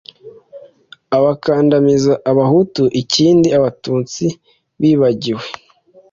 bakandamiza abahutu ikindi abatutsi bibagiwe